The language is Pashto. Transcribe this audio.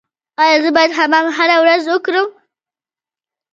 ایا زه باید حمام هره ورځ وکړم؟